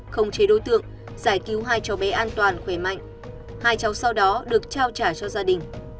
không chế đối tượng giải cứu hai cháu bé an toàn khỏe mạnh hai cháu sau đó được trao trả cho gia đình